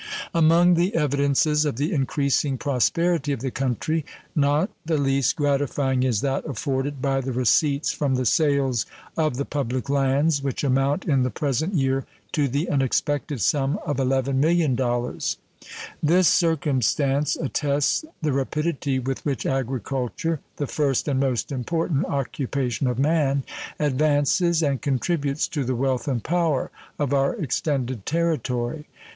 Among the evidences of the increasing prosperity of the country, not the least gratifying is that afforded by the receipts from the sales of the public lands, which amount in the present year to the unexpected sum of $11,000,000. This circumstance attests the rapidity with which agriculture, the first and most important occupation of man, advances and contributes to the wealth and power of our extended territory.